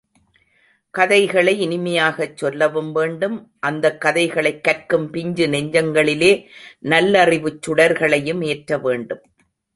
கதைகளை இனிமையாகச் சொல்லவும் வேண்டும் அந்தக் கதைகளைக் கற்கும் பிஞ்சு நெஞ்சங்களிலே நல்லறிவுச் சுடர்களையும் ஏற்றவேண்டும்.